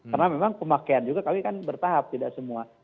karena memang pemakaian juga kami kan bertahap tidak semua